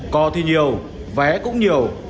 cò thì nhiều vé cũng nhiều